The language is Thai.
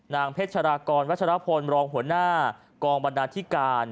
นางเพชรากรวัชรพลรองหัวหน้ากองบรรณาธิการ